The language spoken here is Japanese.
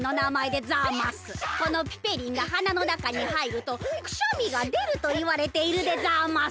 このピペリンがはなのなかにはいるとくしゃみがでるといわれているでざます。